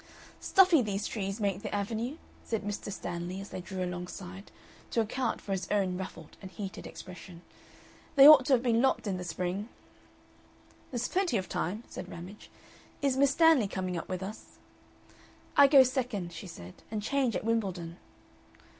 "Stuffy these trees make the Avenue," said Mr. Stanley as they drew alongside, to account for his own ruffled and heated expression. "They ought to have been lopped in the spring." "There's plenty of time," said Ramage. "Is Miss Stanley coming up with us?" "I go second," she said, "and change at Wimbledon."